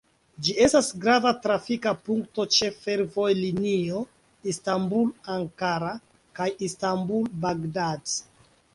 Ĝi estas grava trafika punkto ĉe fervojlinio Istanbul–Ankara kaj Istanbul–Bagdad.